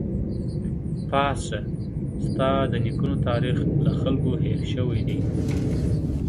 پاڅه ! ستا د نيکونو تاريخ له خلکو هېر شوی دی